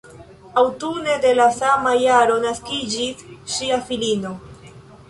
Aŭtune de le sama jaro naskiĝis ŝia filino.